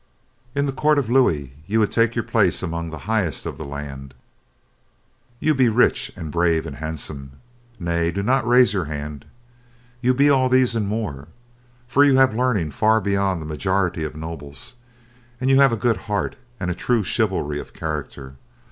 In the court of Louis, you would take your place among the highest of the land. You be rich and brave and handsome. Nay do not raise your hand. You be all these and more, for you have learning far beyond the majority of nobles, and you have a good heart and a true chivalry of character.